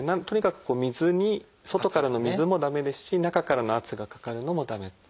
とにかく水に外からの水も駄目ですし中からの圧がかかるのも駄目。